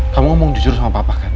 kamu ngomong disuruh sama papa kan